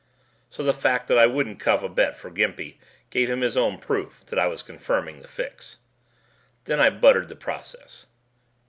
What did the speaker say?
So the fact that I wouldn't cuff a bet for Gimpy gave him his own proof that I was confirming the fix. Then I buttered the process.